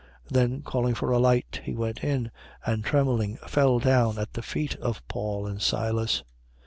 16:29. Then calling for a light, he went in: and trembling, fell down at the feet of Paul and Silas.